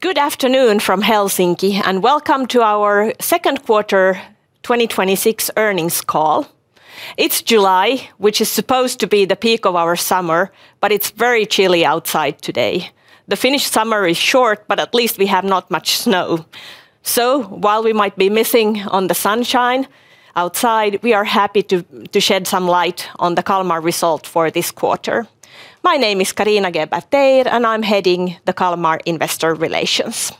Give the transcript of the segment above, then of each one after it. Good afternoon from Helsinki, and welcome to our second quarter 2026 earnings call. It's July, which is supposed to be the peak of our summer, but it's very chilly outside today. The Finnish summer is short, but at least we have not much snow. While we might be missing on the sunshine outside, we are happy to shed some light on the Kalmar result for this quarter. My name is Carina Geber-Teir, and I'm heading the Kalmar Investor Relations.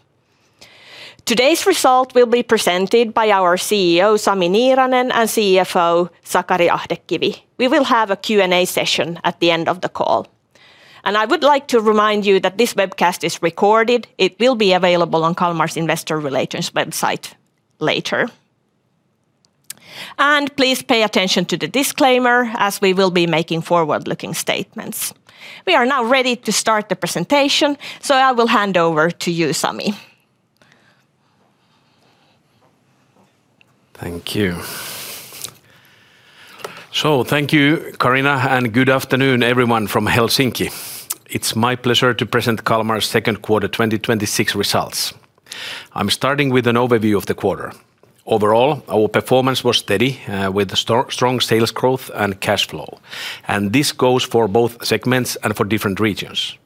Today's result will be presented by our CEO, Sami Niiranen, and CFO, Sakari Ahdekivi. We will have a Q&A session at the end of the call. I would like to remind you that this webcast is recorded. It will be available on Kalmar's Investor Relations website later. Please pay attention to the disclaimer, as we will be making forward-looking statements. We are now ready to start the presentation, so I will hand over to you, Sami. Thank you, Carina, and good afternoon, everyone, from Helsinki. It's my pleasure to present Kalmar's second quarter 2026 results. I'm starting with an overview of the quarter. Overall, our performance was steady, with strong sales growth and cash flow. This goes for both segments and for different regions.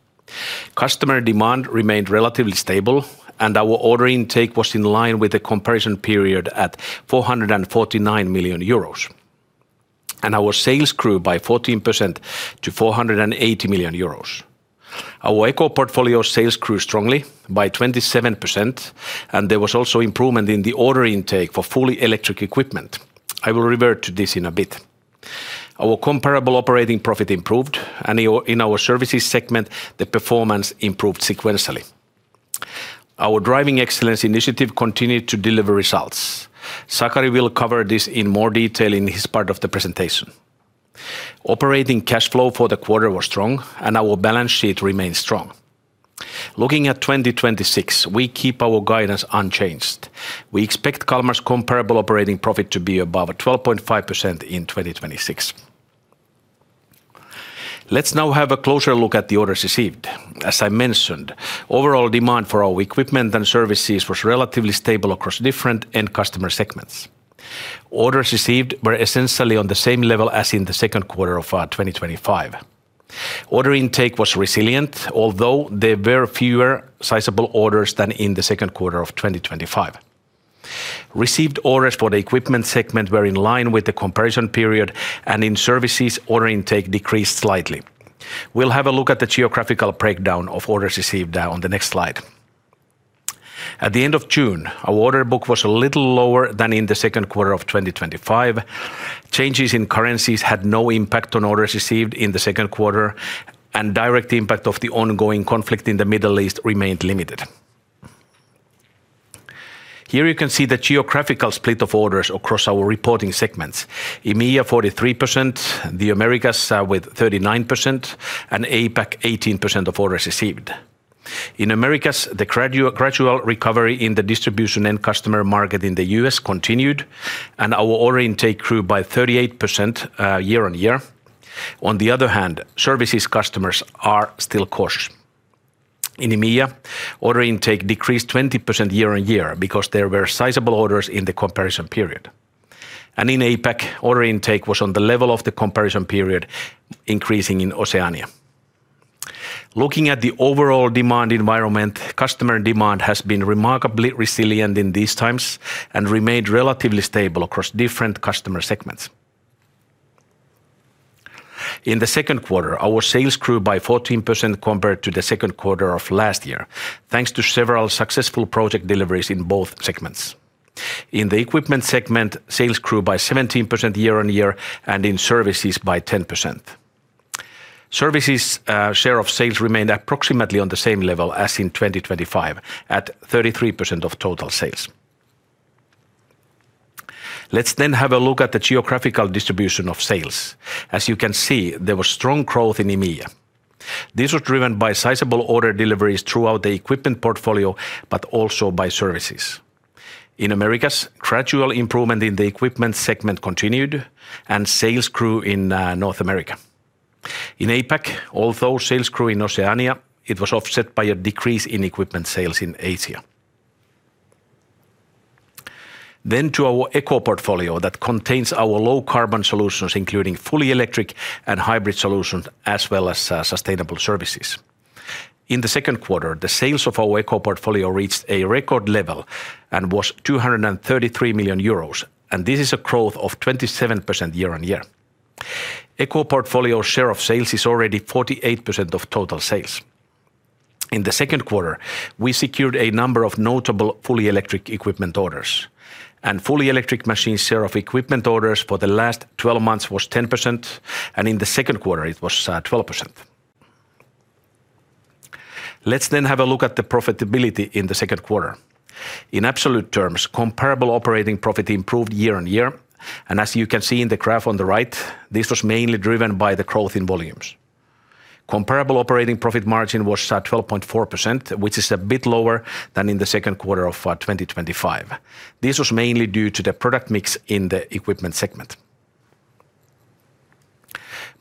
Customer demand remained relatively stable, and our order intake was in line with the comparison period at 449 million euros. Our sales grew by 14% to 480 million euros. Our Eco Portfolio sales grew strongly by 27%, and there was also improvement in the order intake for fully electric equipment. I will revert to this in a bit. Our comparable operating profit improved, and in our services segment, the performance improved sequentially. Our Driving Excellence initiative continued to deliver results. Sakari will cover this in more detail in his part of the presentation. Operating cash flow for the quarter was strong, and our balance sheet remains strong. Looking at 2026, we keep our guidance unchanged. We expect Kalmar's comparable operating profit to be above 12.5% in 2026. Let's now have a closer look at the orders received. As I mentioned, overall demand for our equipment and services was relatively stable across different end customer segments. Orders received were essentially on the same level as in the second quarter of 2025. Order intake was resilient, although there were fewer sizable orders than in the second quarter of 2025. Received orders for the equipment segment were in line with the comparison period, and in services, order intake decreased slightly. We'll have a look at the geographical breakdown of orders received on the next slide. At the end of June, our order book was a little lower than in the second quarter of 2025. Changes in currencies had no impact on orders received in the second quarter, and direct impact of the ongoing conflict in the Middle East remained limited. Here you can see the geographical split of orders across our reporting segments. EMEA, 43%, the Americas with 39%, and APAC, 18% of orders received. In Americas, the gradual recovery in the distribution end customer market in the U.S. continued, and our order intake grew by 38% year-on-year. On the other hand, services customers are still cautious. In EMEA, order intake decreased 20% year-on-year because there were sizable orders in the comparison period. In APAC, order intake was on the level of the comparison period, increasing in Oceania. Looking at the overall demand environment, customer demand has been remarkably resilient in these times and remained relatively stable across different customer segments. In the second quarter, our sales grew by 14% compared to the second quarter of last year, thanks to several successful project deliveries in both segments. In the equipment segment, sales grew by 17% year-on-year, and in services by 10%. Services share of sales remained approximately on the same level as in 2025, at 33% of total sales. Let's then have a look at the geographical distribution of sales. As you can see, there was strong growth in EMEA. This was driven by sizable order deliveries throughout the equipment portfolio, but also by services. In Americas, gradual improvement in the equipment segment continued, and sales grew in North America. In APAC, although sales grew in Oceania, it was offset by a decrease in equipment sales in Asia. To our Eco Portfolio that contains our low carbon solutions, including fully electric and hybrid solutions, as well as sustainable services. In the second quarter, the sales of our Eco Portfolio reached a record level and was 233 million euros, and this is a growth of 27% year-on-year. Eco Portfolio share of sales is already 48% of total sales. In the second quarter, we secured a number of notable fully electric equipment orders, and fully electric machines share of equipment orders for the last 12 months was 10%, and in the second quarter, it was 12%. Let's have a look at the profitability in the second quarter. In absolute terms, comparable operating profit improved year-on-year, and as you can see in the graph on the right, this was mainly driven by the growth in volumes. Comparable operating profit margin was at 12.4%, which is a bit lower than in the second quarter of 2025. This was mainly due to the product mix in the equipment segment.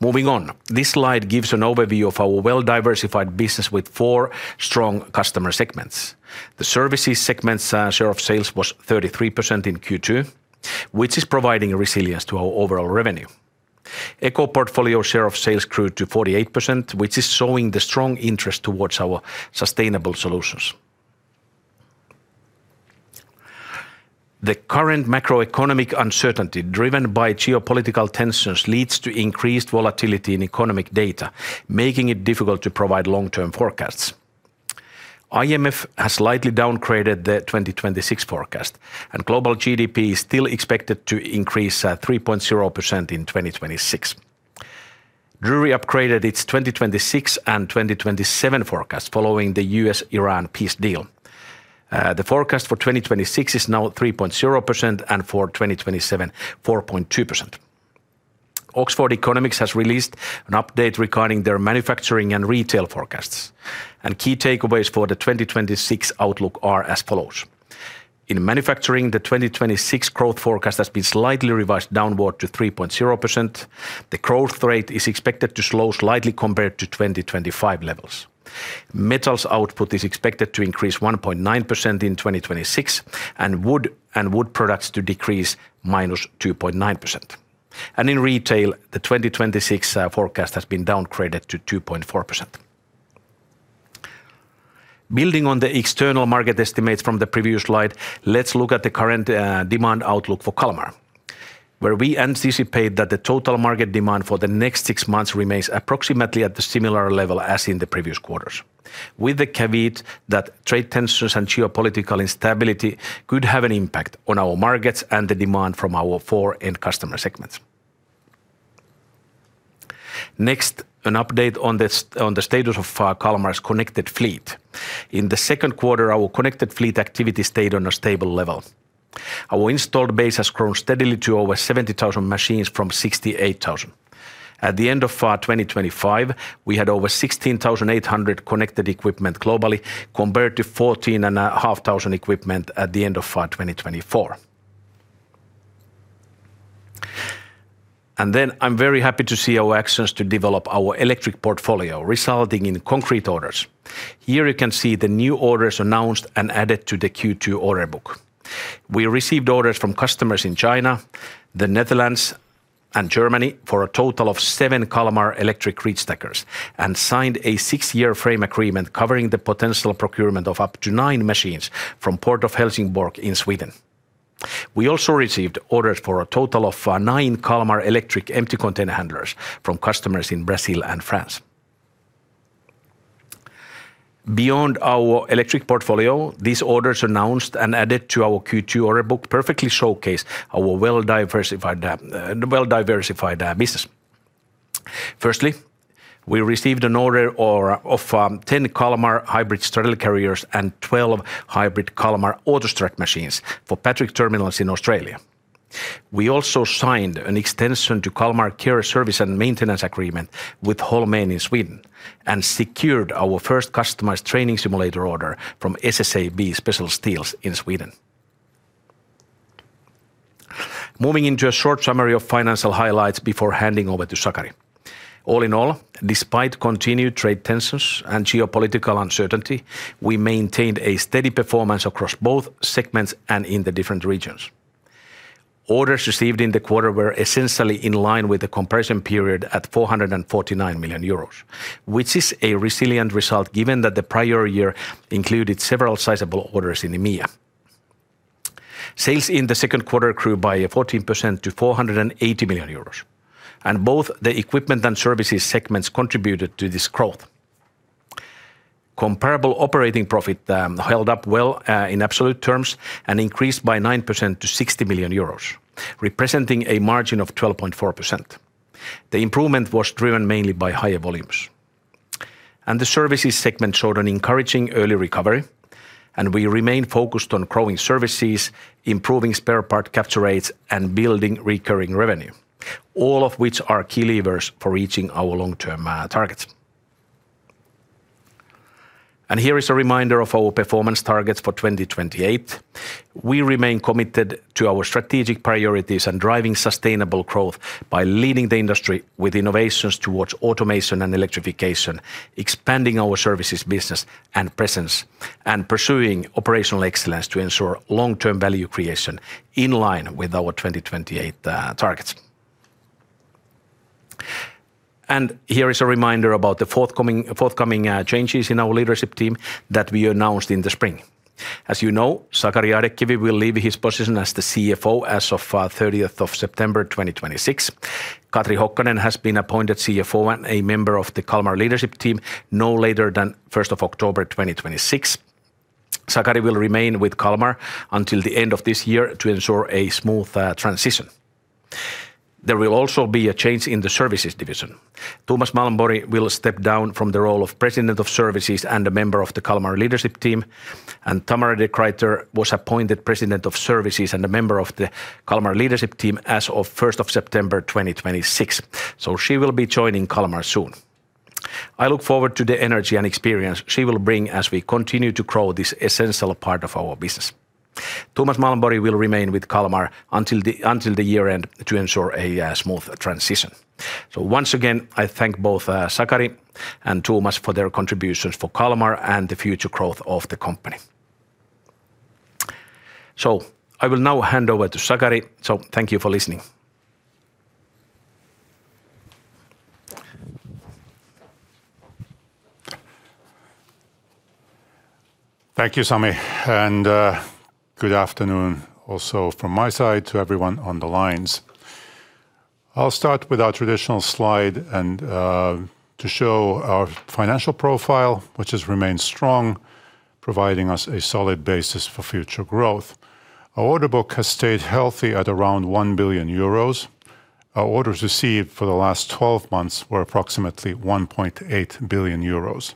Moving on. This slide gives an overview of our well-diversified business with four strong customer segments. The services segment's share of sales was 33% in Q2, which is providing resilience to our overall revenue. Eco Portfolio share of sales grew to 48%, which is showing the strong interest towards our sustainable solutions. The current macroeconomic uncertainty, driven by geopolitical tensions, leads to increased volatility in economic data, making it difficult to provide long-term forecasts. IMF has slightly downgraded the 2026 forecast, and global GDP is still expected to increase 3.0% in 2026. Drewry upgraded its 2026 and 2027 forecast following the U.S.-Iran peace deal. The forecast for 2026 is now 3.0%, and for 2027, 4.2%. Oxford Economics has released an update regarding their manufacturing and retail forecasts. Key takeaways for the 2026 outlook are as follows. In manufacturing, the 2026 growth forecast has been slightly revised downward to 3.0%. The growth rate is expected to slow slightly compared to 2025 levels. Metals output is expected to increase 1.9% in 2026, and wood and wood products to decrease -2.9%. In retail, the 2026 forecast has been downgraded to 2.4%. Building on the external market estimates from the previous slide, let's look at the current demand outlook for Kalmar, where we anticipate that the total market demand for the next six months remains approximately at the similar level as in the previous quarters. With the caveat that trade tensions and geopolitical instability could have an impact on our markets and the demand from our four end customer segments. An update on the status of Kalmar's connected fleet. In the second quarter, our connected fleet activity stayed on a stable level. Our installed base has grown steadily to over 70,000 machines from 68,000. At the end of 2025, we had over 16,800 connected equipment globally, compared to 14,500 equipment at the end of 2024. I'm very happy to see our actions to develop our Eco Portfolio resulting in concrete orders. Here you can see the new orders announced and added to the Q2 order book. We received orders from customers in China, the Netherlands, and Germany for a total of seven Kalmar Electric Reachstackers, and signed a six-year frame agreement covering the potential procurement of up to nine machines from Port of Helsingborg in Sweden. We also received orders for a total of nine Kalmar Electric Empty Container Handlers from customers in Brazil and France. Beyond our Eco Portfolio, these orders announced and added to our Q2 order book perfectly showcase our well-diversified business. Firstly, we received an order of 10 Kalmar Hybrid Straddle Carriers and 12 Hybrid Kalmar AutoStrad machines for Patrick Terminals in Australia. We also signed an extension to Kalmar Care service and maintenance agreement with Holmen in Sweden and secured our first customized training simulator order from SSAB Special Steels in Sweden. Moving into a short summary of financial highlights before handing over to Sakari. All in all, despite continued trade tensions and geopolitical uncertainty, we maintained a steady performance across both segments and in the different regions. Orders received in the quarter were essentially in line with the comparison period at 449 million euros, which is a resilient result given that the prior year included several sizable orders in EMEA. Sales in the second quarter grew by 14% to 480 million euros. Both the equipment and services segments contributed to this growth. Comparable operating profit held up well in absolute terms and increased by 9% to 60 million euros, representing a margin of 12.4%. The improvement was driven mainly by higher volumes. The services segment showed an encouraging early recovery. We remain focused on growing services, improving spare part capture rates, and building recurring revenue, all of which are key levers for reaching our long-term targets. Here is a reminder of our performance targets for 2028. We remain committed to our strategic priorities and Driving Excellence by leading the industry with innovations towards automation and electrification, expanding our services, business and presence, and pursuing operational excellence to ensure long-term value creation in line with our 2028 targets. Here is a reminder about the forthcoming changes in our leadership team that we announced in the spring. As you know, Sakari Ahdekivi will leave his position as the CFO as of 30th of September 2026. Katri Hokkanen has been appointed CFO and a member of the Kalmar leadership team no later than 1st of October 2026. Sakari will remain with Kalmar until the end of this year to ensure a smooth transition. There will also be a change in the services division. Thomas Malmborg will step down from the role of President of Services and a member of the Kalmar leadership team, and Tamara de Gruyter was appointed President of Services and a member of the Kalmar leadership team as of 1st of September 2026. She will be joining Kalmar soon. I look forward to the energy and experience she will bring as we continue to grow this essential part of our business. Thomas Malmborg will remain with Kalmar until the year-end to ensure a smooth transition. Once again, I thank both Sakari and Thomas for their contributions for Kalmar and the future growth of the company. I will now hand over to Sakari, so thank you for listening. Thank you, Sami, and good afternoon also from my side to everyone on the lines. I'll start with our traditional slide and to show our financial profile, which has remained strong, providing us a solid basis for future growth. Our order book has stayed healthy at around 1 billion euros. Our orders received for the last 12 months were approximately 1.8 billion euros.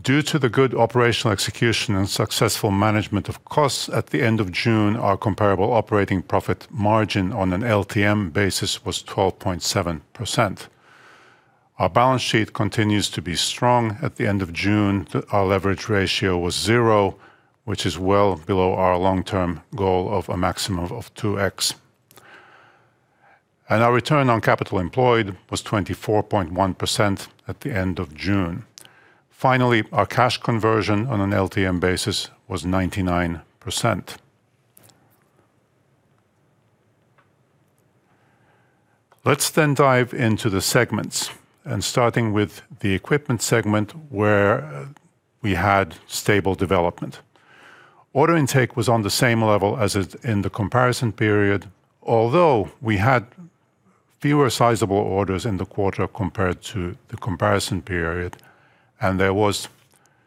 Due to the good operational execution and successful management of costs at the end of June, our comparable operating profit margin on an LTM basis was 12.7%. Our balance sheet continues to be strong. At the end of June, our leverage ratio was zero, which is well below our long-term goal of a maximum of 2x. Our return on capital employed was 24.1% at the end of June. Finally, our cash conversion on an LTM basis was 99%. Let's dive into the segments and starting with the Equipment segment, where we had stable development. Order intake was on the same level as in the comparison period, although we had fewer sizable orders in the quarter compared to the comparison period, and there was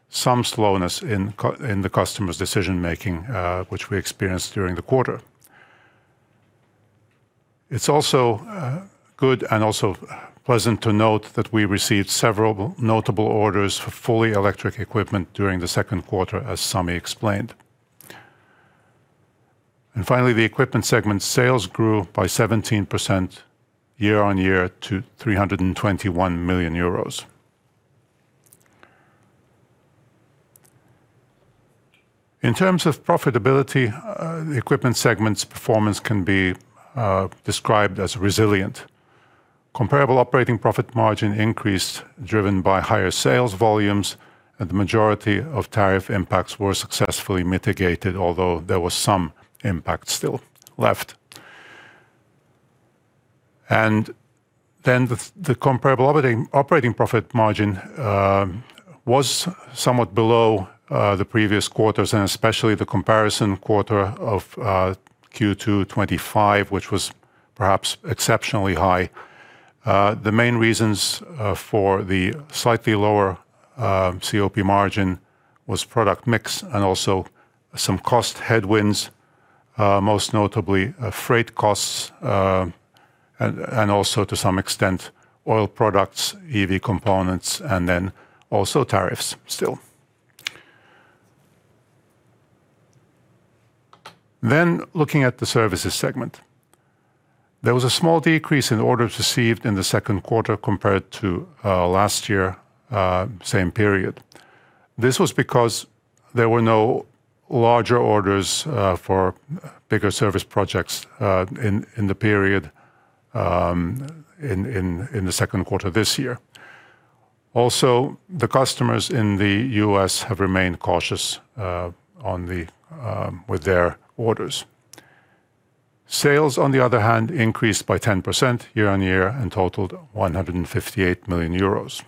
some slowness in the customers' decision-making, which we experienced during the quarter. It's also good and also pleasant to note that we received several notable orders for fully electric equipment during the second quarter, as Sami explained. Finally, the Equipment segment sales grew by 17% year-on-year to EUR 321 million. In terms of profitability, the Equipment segment's performance can be described as resilient. Comparable operating profit margin increased, driven by higher sales volumes, and the majority of tariff impacts were successfully mitigated, although there was some impact still left. The comparable operating profit margin was somewhat below the previous quarters and especially the comparison quarter of Q2 2025, which was perhaps exceptionally high. The main reasons for the slightly lower COP margin was product mix and also some cost headwinds, most notably freight costs, and also to some extent oil products, EV components, and also tariffs still. Looking at the Services segment. There was a small decrease in orders received in the second quarter compared to last year, same period. This was because there were no larger orders for bigger service projects in the period in the second quarter this year. Also, the customers in the U.S. have remained cautious with their orders. Sales, on the other hand, increased by 10% year-on-year and totaled 158 million euros.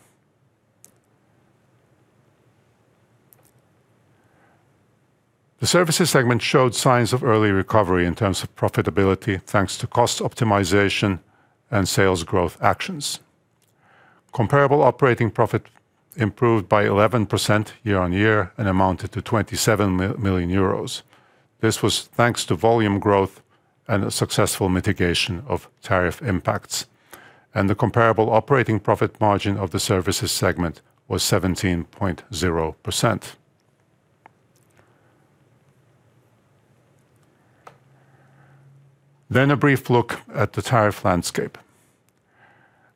The Services segment showed signs of early recovery in terms of profitability, thanks to cost optimization and sales growth actions. Comparable operating profit improved by 11% year-on-year and amounted to 27 million euros. This was thanks to volume growth and a successful mitigation of tariff impacts. The comparable operating profit margin of the Services segment was 17.0%. A brief look at the tariff landscape.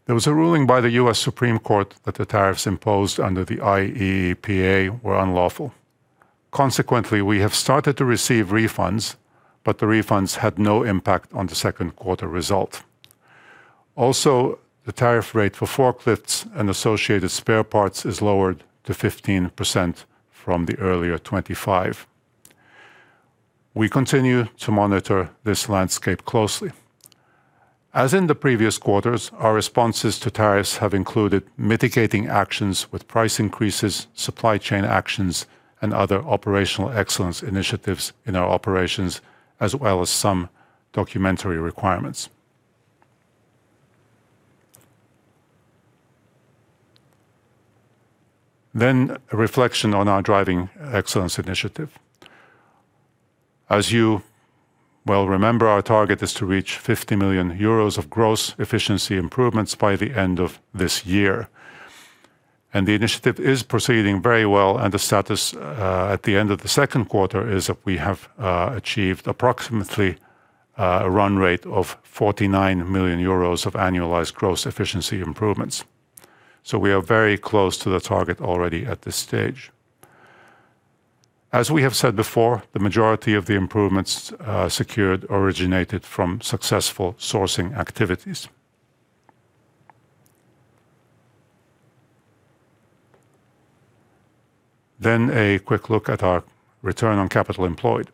There was a ruling by the U.S. Supreme Court that the tariffs imposed under the IEEPA were unlawful. Consequently, we have started to receive refunds, but the refunds had no impact on the second quarter result. Also, the tariff rate for forklifts and associated spare parts is lowered to 15% from the earlier 25%. We continue to monitor this landscape closely. As in the previous quarters, our responses to tariffs have included mitigating actions with price increases, supply chain actions, and other operational excellence initiatives in our operations, as well as some documentary requirements. A reflection on our Driving Excellence initiative. As you well remember, our target is to reach 50 million euros of gross efficiency improvements by the end of this year. The initiative is proceeding very well, and the status at the end of the second quarter is that we have achieved approximately a run rate of 49 million euros of annualized gross efficiency improvements. We are very close to the target already at this stage. As we have said before, the majority of the improvements secured originated from successful sourcing activities. A quick look at our return on capital employed.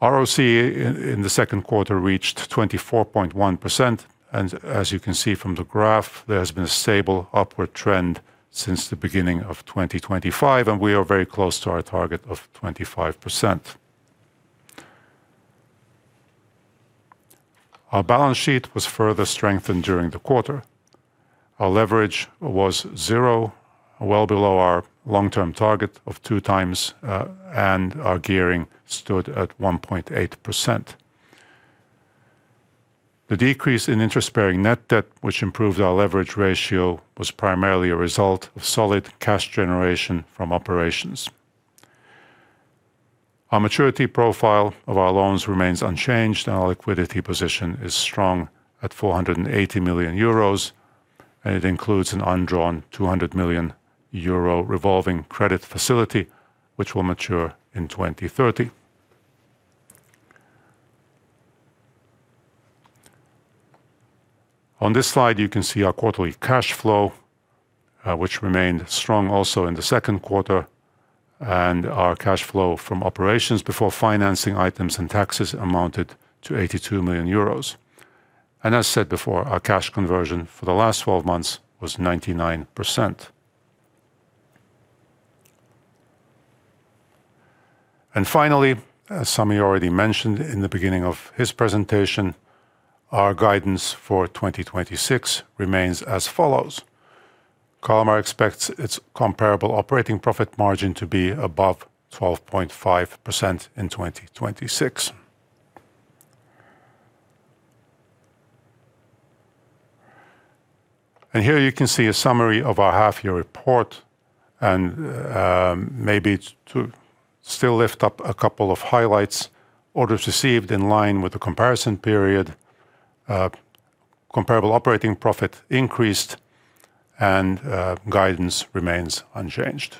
ROC in the second quarter reached 24.1%, as you can see from the graph, there has been a stable upward trend since the beginning of 2025, we are very close to our target of 25%. Our balance sheet was further strengthened during the quarter. Our leverage was zero, well below our long-term target of 2x, our gearing stood at 1.8%. The decrease in interest-bearing net debt, which improved our leverage ratio, was primarily a result of solid cash generation from operations. Our maturity profile of our loans remains unchanged, our liquidity position is strong at 480 million euros, it includes an undrawn 200 million euro revolving credit facility, which will mature in 2030. On this slide, you can see our quarterly cash flow, which remained strong also in the second quarter, and our cash flow from operations before financing items and taxes amounted to 82 million euros. And as said before, our cash conversion for the last 12 months was 99%. Finally, as Sami already mentioned in the beginning of his presentation, our guidance for 2026 remains as follows. Kalmar expects its comparable operating profit margin to be above 12.5% in 2026. Here you can see a summary of our half-year report, and maybe to still lift up a couple of highlights, orders received in line with the comparison period, comparable operating profit increased, and guidance remains unchanged.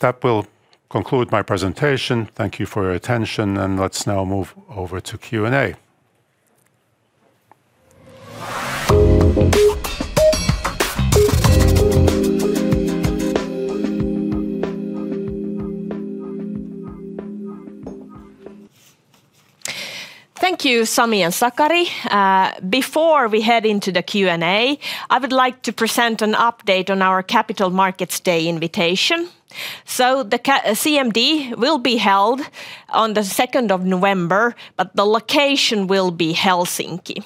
That will conclude my presentation. Thank you for your attention. Let's now move over to Q&A. Thank you, Sami and Sakari. Before we head into the Q&A, I would like to present an update on our Capital Markets Day invitation. So the CMD will be held on the second of November, but the location will be Helsinki.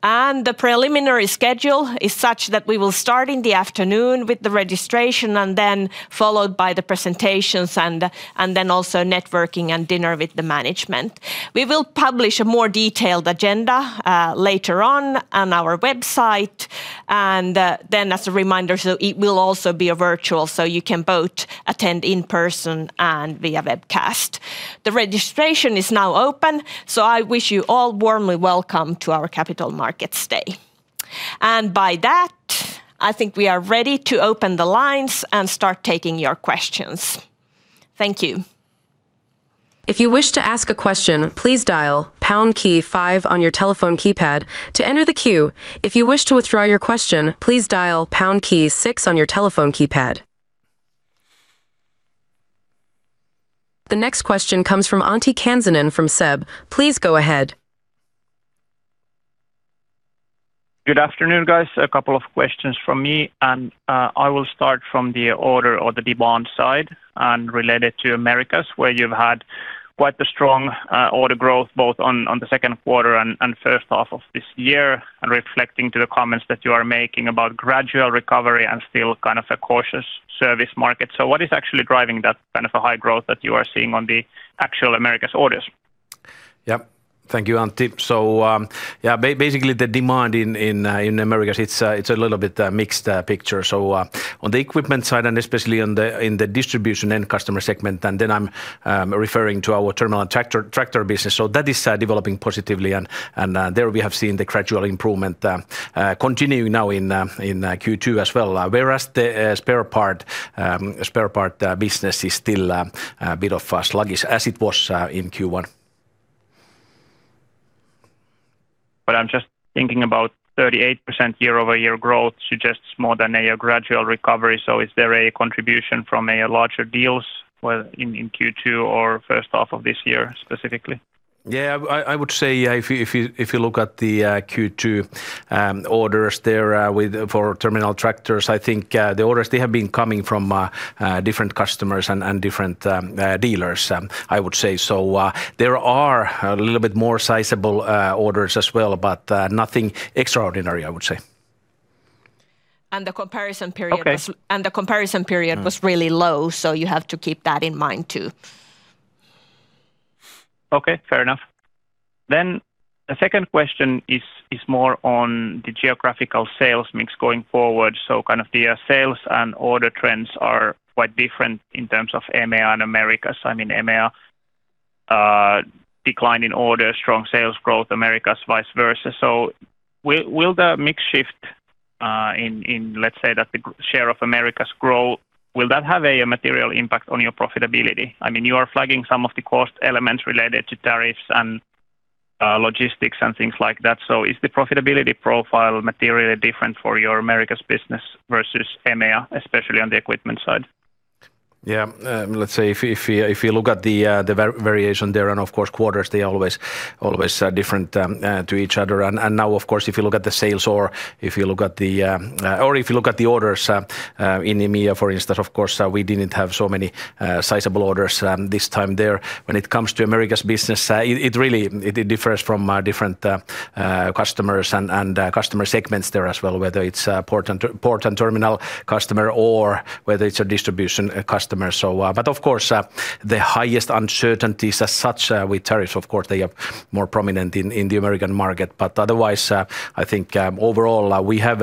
The preliminary schedule is such that we will start in the afternoon with the registration, then followed by the presentations, then also networking and dinner with the management. We will publish a more detailed agenda later on our website. As a reminder, so it will also be virtual, so you can both attend in person and via webcast. The registration is now open, so I wish you all warmly welcome to our Capital Markets Day. By that, I think we are ready to open the lines and start taking your questions. Thank you. If you wish to ask a question, please dial pound key five on your telephone keypad to enter the queue. If you wish to withdraw your question, please dial pound key six on your telephone keypad. The next question comes from Antti Kansanen from SEB. Please go ahead. Good afternoon, guys. A couple of questions from me, and I will start from the order or the demand side and relate it to Americas, where you have had quite the strong order growth both on the second quarter and first half of this year, and reflecting to the comments that you are making about gradual recovery and still kind of a cautious service market. So what is actually driving that kind of a high growth that you are seeing on the actual Americas orders? Yeah. Thank you, Antti. Basically, the demand in Americas, it's a little bit mixed picture. On the equipment side, especially in the distribution end customer segment, I'm referring to our terminal and tractor business. That is developing positively, there we have seen the gradual improvement continuing now in Q2 as well. Whereas the spare part business is still a bit sluggish as it was in Q1. I'm just thinking about 38% year-over-year growth suggests more than a gradual recovery. Is there a contribution from larger deals in Q2 or first half of this year specifically? I would say if you look at the Q2 orders there for terminal tractors, I think the orders, they have been coming from different customers and different dealers, I would say. There are a little bit more sizable orders as well, but nothing extraordinary, I would say. The comparison period- Okay The comparison period was really low, you have to keep that in mind, too. Okay, fair enough. The second question is more on the geographical sales mix going forward. The sales and order trends are quite different in terms of EMEA and Americas. EMEA decline in order, strong sales growth, Americas vice versa. Will the mix shift in, let's say that the share of Americas grow, will that have a material impact on your profitability? You are flagging some of the cost elements related to tariffs and logistics and things like that. Is the profitability profile materially different for your Americas business versus EMEA, especially on the equipment side? Yeah. Let's say if you look at the variation there, of course quarters, they always different to each other. Now, of course, if you look at the sales or if you look at the orders in EMEA, for instance, of course, we didn't have so many sizable orders this time there. When it comes to Americas business, it differs from different customers and customer segments there as well, whether it's a port and terminal customer or whether it's a distribution customer. Of course, the highest uncertainties as such with tariffs, of course, they are more prominent in the American market. Otherwise, I think overall we have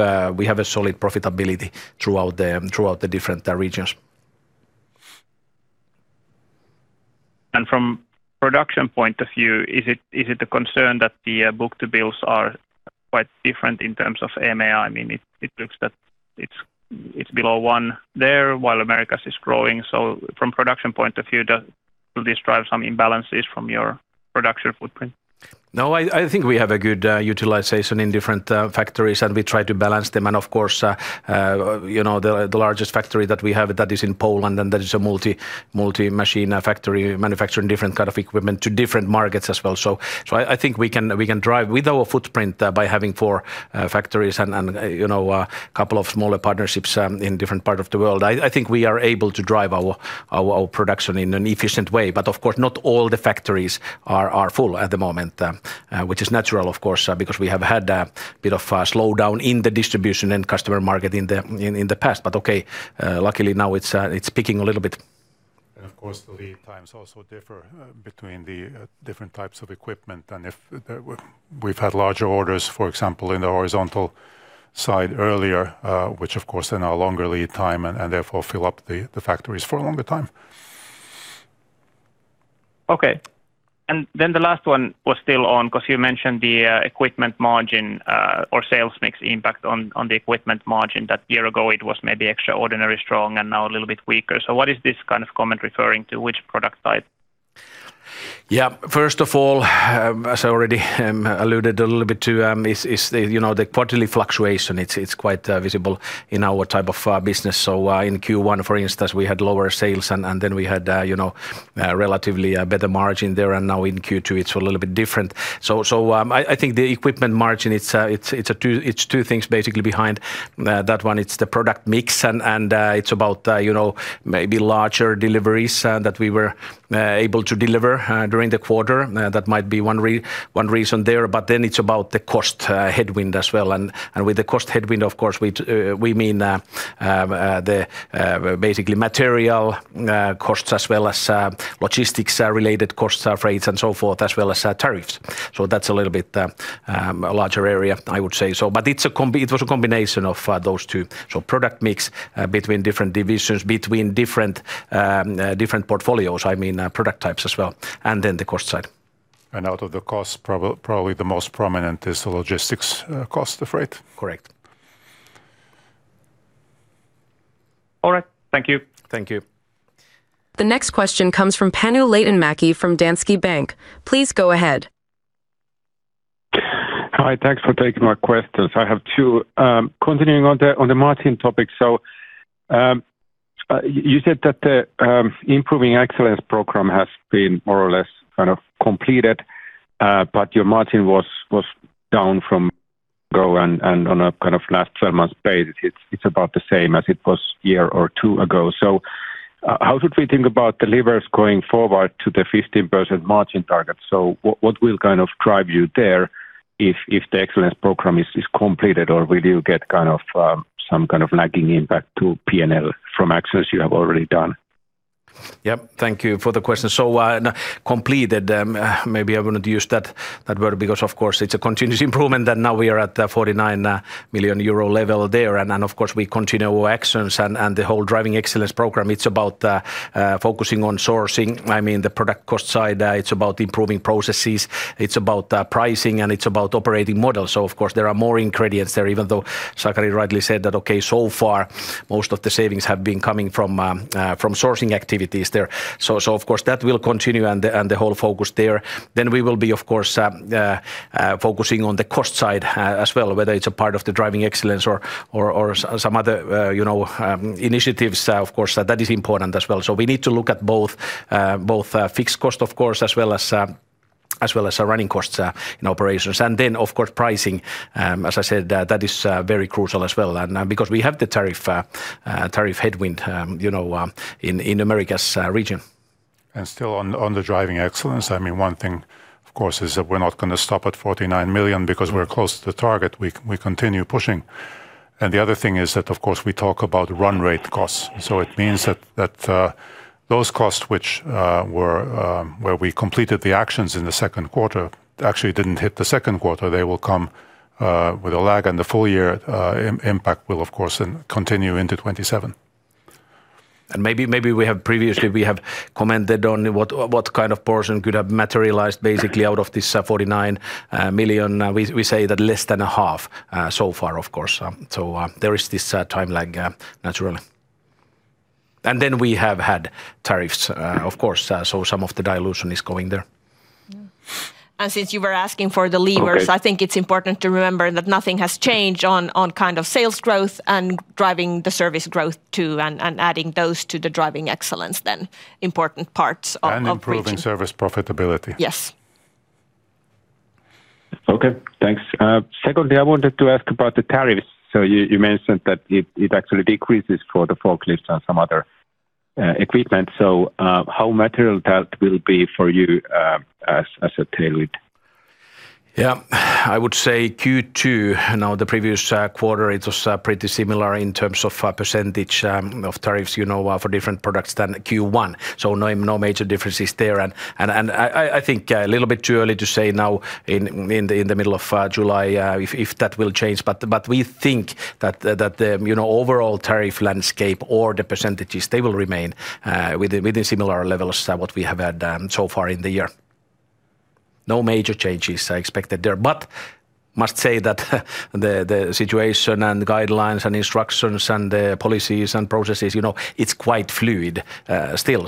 a solid profitability throughout the different regions. From production point of view, is it a concern that the book-to-bill are quite different in terms of EMEA? It looks that it's below one there while Americas is growing. From production point of view, will this drive some imbalances from your production footprint? I think we have a good utilization in different factories and we try to balance them. Of course, the largest factory that we have that is in Poland, that is a multi-machine factory manufacturing different kind of equipment to different markets as well. I think we can drive with our footprint by having four factories and a couple of smaller partnerships in different part of the world. I think we are able to drive our production in an efficient way. Of course, not all the factories are full at the moment, which is natural, of course, because we have had a bit of a slowdown in the distribution and customer market in the past. Luckily now it's picking a little bit. Of course, the lead times also differ between the different types of equipment. If we've had larger orders, for example, in the horizontal side earlier, which of course are now longer lead time and therefore fill up the factories for a longer time. The last one was still on, because you mentioned the equipment margin or sales mix impact on the equipment margin. That a year ago it was maybe extraordinarily strong and now a little bit weaker. What is this kind of comment referring to? Which product side? First of all, as I already alluded a little bit to, is the quarterly fluctuation. It's quite visible in our type of business. In Q1, for instance, we had lower sales, we had a relatively better margin there. In Q2 it's a little bit different. I think the equipment margin, it's two things basically behind that one. It's the product mix and it's about maybe larger deliveries that we were able to deliver during the quarter. That might be one reason there. It's about the cost headwind as well. With the cost headwind, of course, we mean the basically material costs as well as logistics related costs, our freights and so forth, as well as tariffs. That's a little bit a larger area, I would say. It was a combination of those two. Product mix between different divisions, between different portfolios, I mean product types as well, then the cost side. Out of the costs, probably the most prominent is the logistics cost, the freight. Correct. All right. Thank you. Thank you. The next question comes from Panu Laitinmäki from Danske Bank. Please go ahead. Hi. Thanks for taking my questions. I have two. Continuing on the margin topic. You said that the Driving Excellence Program has been more or less kind of completed, but your margin was down from go and on a kind of last 12 months basis, it's about the same as it was a year or two ago. How should we think about the levers going forward to the 15% margin target? What will kind of drive you there if the Driving Excellence Program is completed, or will you get some kind of lagging impact to P&L from actions you have already done? Thank you for the question. On completed, maybe I wouldn't use that word because of course it's a continuous improvement, and now we are at the 49 million euro level there. Of course we continue actions and the whole Driving Excellence Program, it's about focusing on sourcing, the product cost side. It's about improving processes, it's about pricing, and it's about operating models. Of course there are more ingredients there, even though Sakari rightly said that, okay, so far, most of the savings have been coming from sourcing activities there. Of course that will continue and the whole focus there. We will be, of course, focusing on the cost side as well, whether it's a part of the Driving Excellence or some other initiatives. Of course, that is important as well. We need to look at both fixed cost, of course, as well as our running costs in operations. Of course pricing. As I said, that is very crucial as well. Because we have the tariff headwind in Americas region. Still on the Driving Excellence, one thing of course, is that we're not going to stop at 49 million because we're close to the target. We continue pushing. The other thing is that, of course, we talk about run rate costs. It means that those costs where we completed the actions in the second quarter actually didn't hit the second quarter. They will come with a lag on the full year. Impact will, of course, continue into 2027. Maybe previously we have commented on what kind of portion could have materialized basically out of this 49 million. We say that less than a half so far, of course. There is this time lag naturally. Then we have had tariffs of course. Some of the dilution is going there. Yeah. Since you were asking for the levers, I think it's important to remember that nothing has changed on sales growth and driving the service growth too and adding those to the Driving Excellence then important parts of reaching. Improving service profitability. Yes. Okay. Thanks. Secondly, I wanted to ask about the tariffs. You mentioned that it actually decreases for the forklifts and some other equipment. How material that will be for you as a tailwind? Yeah. I would say Q2. Now the previous quarter, it was pretty similar in terms of percentage of tariffs for different products than Q1. No major differences there. I think a little bit too early to say now in the middle of July if that will change. We think that the overall tariff landscape or the percentages, they will remain within similar levels that what we have had so far in the year. No major changes are expected there. Must say that the situation and guidelines and instructions and the policies and processes, it is quite fluid still.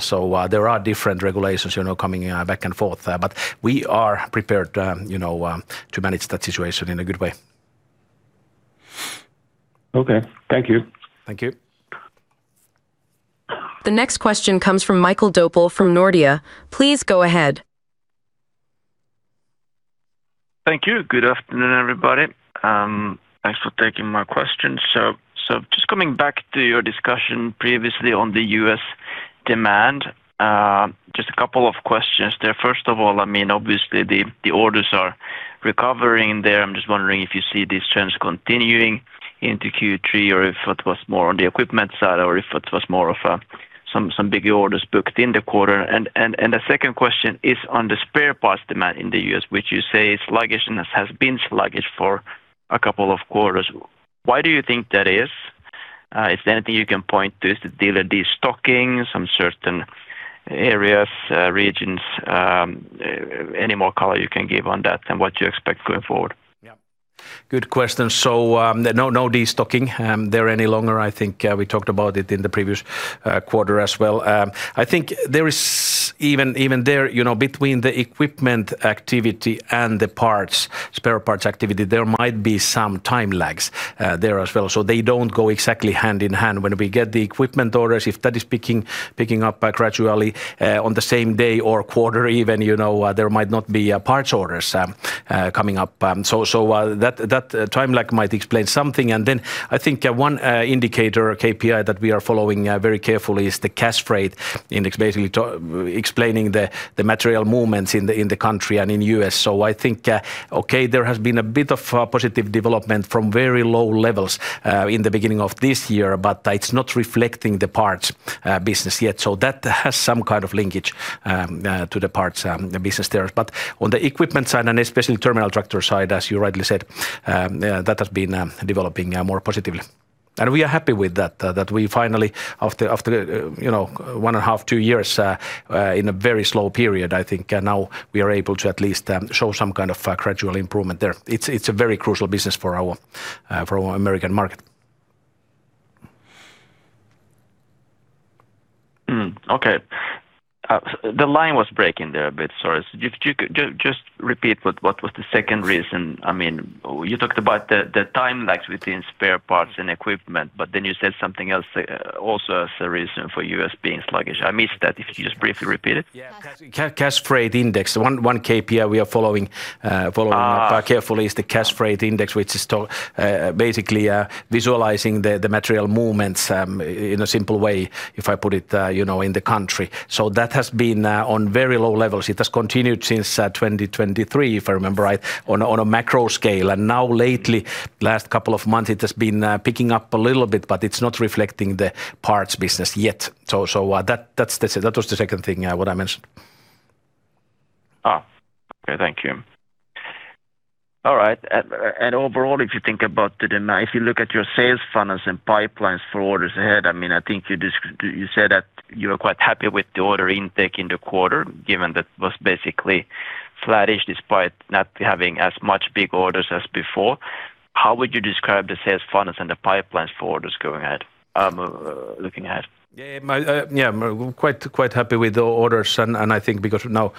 There are different regulations coming back and forth. We are prepared to manage that situation in a good way. Okay. Thank you. Thank you. The next question comes from Mikael Doepel from Nordea. Please go ahead. Thank you. Good afternoon, everybody. Thanks for taking my question. Just coming back to your discussion previously on the U.S. demand, just a couple of questions there. First of all, obviously the orders are recovering there. I'm just wondering if you see these trends continuing into Q3 or if it was more on the equipment side or if it was more of some big orders booked in the quarter. The second question is on the spare parts demand in the U.S., which you say is sluggish and has been sluggish for a couple of quarters. Why do you think that is? Is there anything you can point to? Is the dealer destocking some certain areas, regions? Any more color you can give on that and what you expect going forward? Yeah. Good question. No destocking there any longer. I think we talked about it in the previous quarter as well. I think there is even there, between the equipment activity and the spare parts activity, there might be some time lags there as well. They don't go exactly hand in hand. When we get the equipment orders, if that is picking up gradually on the same day or quarter even, there might not be parts orders coming up. That time lag might explain something. Then I think one indicator or KPI that we are following very carefully is the Cass Freight Index, basically explaining the material movements in the country and in U.S. I think, okay, there has been a bit of a positive development from very low levels in the beginning of this year, but it's not reflecting the parts business yet. That has some kind of linkage to the parts business there. On the equipment side, and especially terminal tractor side, as you rightly said, that has been developing more positively. We are happy with that we finally after one and a half, two years, in a very slow period, I think now we are able to at least show some kind of gradual improvement there. It's a very crucial business for our U.S. market. Okay. The line was breaking there a bit. Sorry. If you could just repeat what was the second reason. You talked about the time lags between spare parts and equipment, but then you said something else also as a reason for U.S. being sluggish. I missed that. If you could just briefly repeat it. Yeah. Cass Freight Index. One KPI we are following up carefully. It is the Cass Freight Index, which is basically visualizing the material movements in a simple way, if I put it, in the country. That has been on very low levels. It has continued since 2023, if I remember right, on a macro scale. Now lately, last couple of months, it has been picking up a little bit, but it's not reflecting the parts business yet. That was the second thing what I mentioned. Okay. Thank you. All right. Overall, if you look at your sales funnels and pipelines for orders ahead, I think you said that you are quite happy with the order intake in the quarter, given that it was basically flattish despite not having as much big orders as before. How would you describe the sales funnels and the pipelines for orders looking ahead? Yeah. Quite happy with the orders. I think because now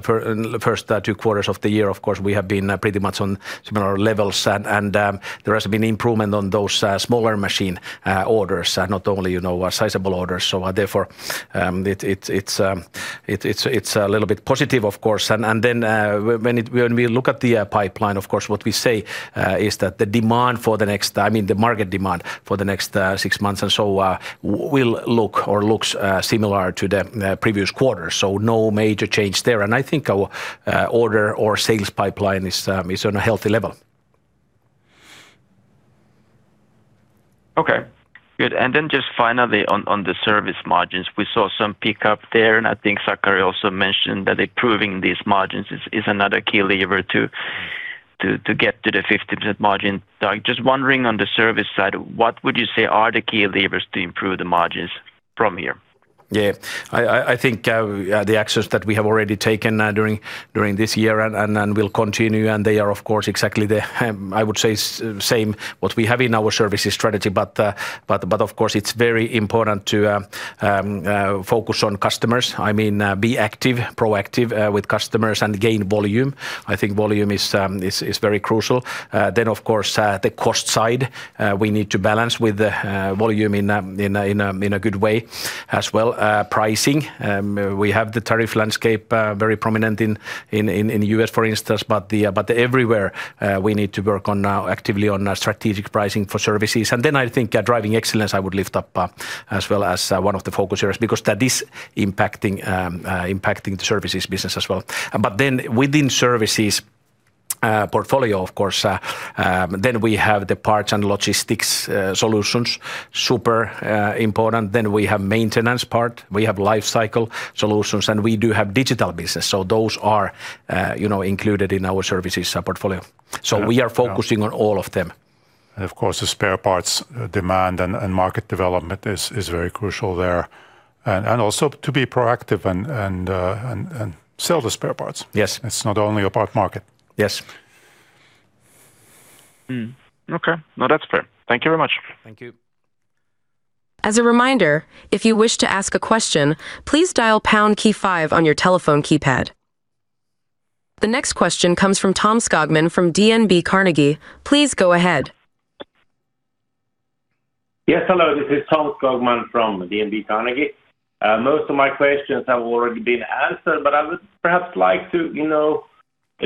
for the first two quarters of the year, of course, we have been pretty much on similar levels. There has been improvement on those smaller machine orders, not only sizeable orders. Therefore, it's a little bit positive of course. When we look at the pipeline, of course, what we say is that the market demand for the next six months or so will look or looks similar to the previous quarter. No major change there. I think our order or sales pipeline is on a healthy level. Okay, good. Then just finally on the service margins, we saw some pickup there. I think Sakari also mentioned that improving these margins is another key lever to get to the 50% margin. Just wondering on the service side, what would you say are the key levers to improve the margins from here? Yeah. I think the actions that we have already taken during this year and will continue. They are, of course, exactly the, I would say, same what we have in our services strategy. Of course, it's very important to focus on customers. Be active, proactive with customers, and gain volume. I think volume is very crucial. Of course, the cost side we need to balance with the volume in a good way as well. Pricing, we have the tariff landscape very prominent in the U.S., for instance. Everywhere we need to work actively on strategic pricing for services. I think Driving Excellence I would lift up as well as one of the focus areas, because that is impacting the services business as well. Within services portfolio, of course, we have the parts and logistics solutions, super important. We have maintenance part. We have life cycle solutions, and we do have digital business. Those are included in our services portfolio. We are focusing on all of them. Of course, the spare parts demand and market development is very crucial there. Also to be proactive and sell the spare parts. Yes. It's not only a part market. Yes. Okay. No, that's fair. Thank you very much. Thank you. As a reminder, if you wish to ask a question, please dial pound key five on your telephone keypad. The next question comes from Tom Skogman from DNB Carnegie. Please go ahead. Yes, hello, this is Tom Skogman from DNB Carnegie. Most of my questions have already been answered, I would perhaps like to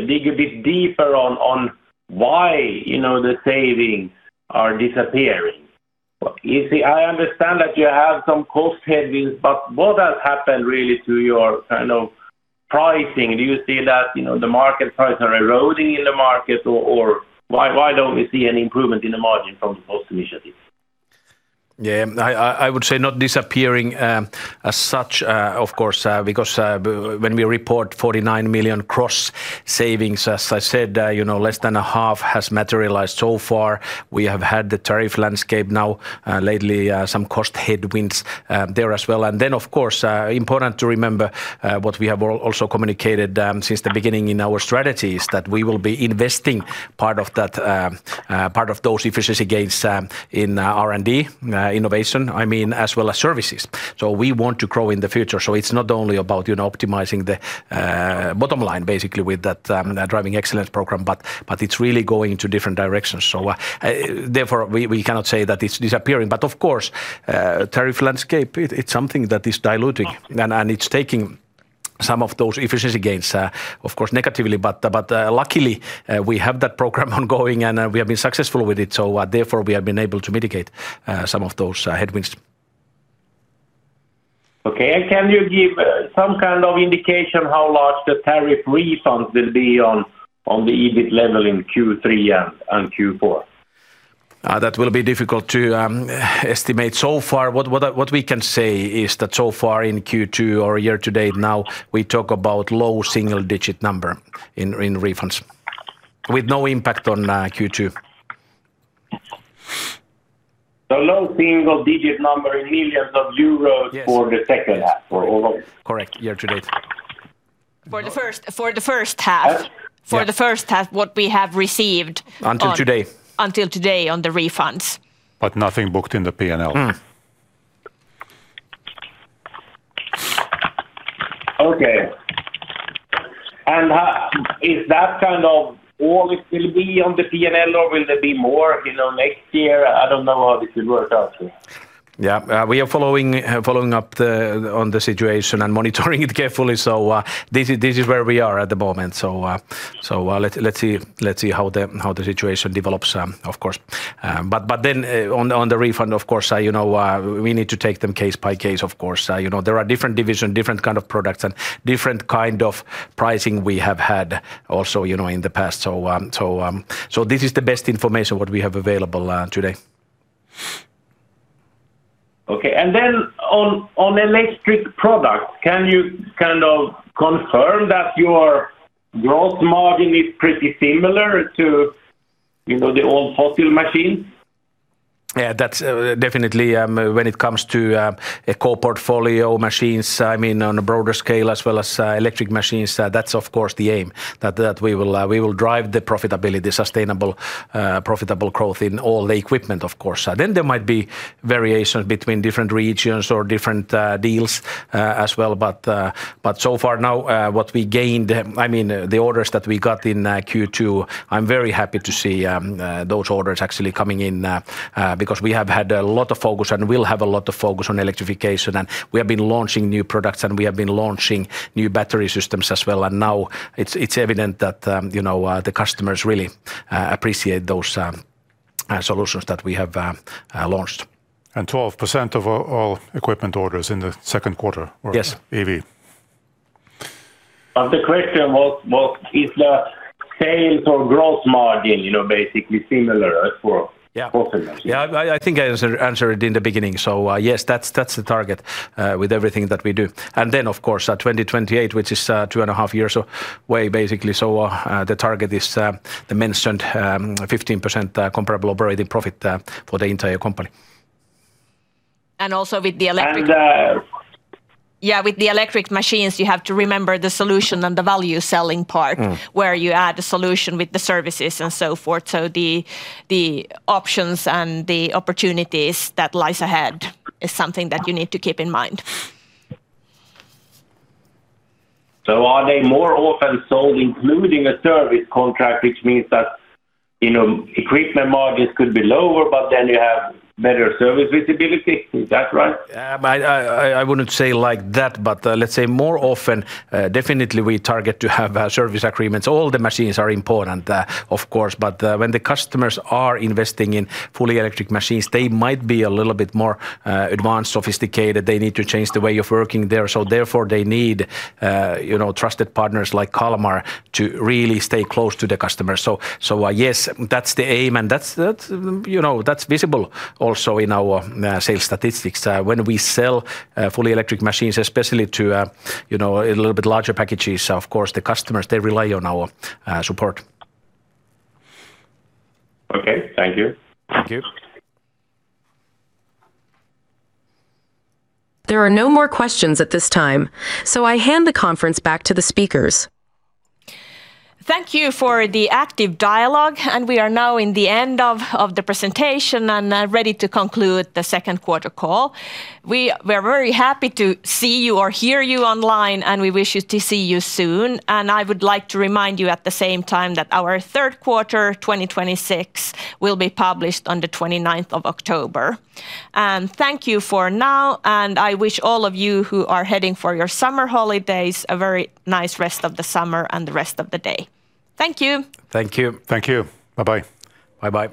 dig a bit deeper on why the savings are disappearing. I understand that you have some cost headwinds, what has happened really to your kind of pricing? Do you see that the market prices are eroding in the market, why don't we see an improvement in the margin from the cost initiatives? I would say not disappearing as such, of course, because when we report 49 million gross-savings, as I said, less than a half has materialized so far. We have had the tariff landscape now lately, some cost headwinds there as well. Of course, important to remember what we have also communicated since the beginning in our strategy is that we will be investing part of those efficiency gains in R&D innovation, as well as services. We want to grow in the future. It's not only about optimizing the bottom line, basically, with that Driving Excellence program, but it's really going into different directions. Therefore, we cannot say that it's disappearing. Of course, tariff landscape, it's something that is diluting and it's taking some of those efficiency gains, of course, negatively. Luckily, we have that program ongoing and we have been successful with it, therefore, we have been able to mitigate some of those headwinds. Okay, can you give some kind of indication how large the tariff refunds will be on the EBIT level in Q3 and Q4? That will be difficult to estimate. What we can say is that so far in Q2 or year-to-date now, we talk about low single-digit number in refunds with no impact on Q2. Low single-digit number in millions of EUR for the second half for all? Correct, year-to-date. For the first half, for the first half, what we have received, Until today Until today on the refunds. Nothing booked in the P&L. Okay. Is that kind of all it will be on the P&L, or will there be more next year? I don't know how this will work out. Yeah. We are following up on the situation and monitoring it carefully. This is where we are at the moment. Let's see how the situation develops, of course. On the refund, we need to take them case by case, of course. There are different division, different kind of products, and different kind of pricing we have had also in the past. This is the best information what we have available today. Okay. On electric products, can you kind of confirm that your gross margin is pretty similar to the old model machine? Yeah, that's definitely when it comes to a core portfolio machines on a broader scale as well as electric machines, that's of course the aim. We will drive the profitability, sustainable profitable growth in all the equipment, of course. There might be variations between different regions or different deals as well. Far now what we gained, the orders that we got in Q2, I'm very happy to see those orders actually coming in because we have had a lot of focus and will have a lot of focus on electrification. We have been launching new products and we have been launching new battery systems as well. Now it's evident that the customers really appreciate those solutions that we have launched. 12% of all equipment orders in the second quarter, were EV. The question was, is the sales or gross margin basically similar as? Yeah. I think I answered it in the beginning. Yes, that's the target with everything that we do. Then, of course, our 2028, which is two and a half years away, basically. The target is the mentioned 15% comparable operating profit for the entire company. Also with the electric. And, uh- Yeah, with the electric machines, you have to remember the solution and the value-selling part, where you add a solution with the services and so forth. The options and the opportunities that lies ahead is something that you need to keep in mind. Are they more often sold including a service contract, which means that equipment margins could be lower, but then you have better service visibility? Is that right? I wouldn't say like that, but let's say more often, definitely we target to have service agreements. All the machines are important, of course, but when the customers are investing in fully electric machines, they might be a little bit more advanced, sophisticated. They need to change the way of working there, so therefore they need trusted partners like Kalmar to really stay close to the customer. Yes, that's the aim and that's visible also in our sales statistics. When we sell fully electric machines, especially to a little bit larger packages, of course, the customers, they rely on our support. Okay. Thank you. Thank you. There are no more questions at this time, so I hand the conference back to the speakers. Thank you for the active dialogue, and we are now in the end of the presentation and ready to conclude the second quarter call. We're very happy to see you or hear you online, and we wish to see you soon. I would like to remind you at the same time that our third quarter 2026 will be published on the 29th of October. Thank you for now, and I wish all of you who are heading for your summer holidays a very nice rest of the summer and the rest of the day. Thank you. Thank you. Thank you. Bye-bye. Bye-bye.